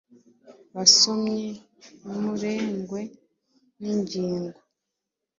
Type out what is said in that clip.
Basomyi ntimurengwe n'ingingo :